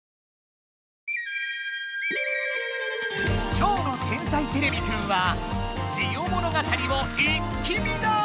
きょうの「天才てれびくん」は「ジオ物語」を一気見だ！